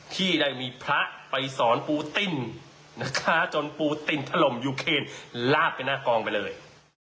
ที่ได้มีพระไปสอนปูติ้นนะคะจนปูตินถล่มยูเคนลาดไปหน้ากองไปเลย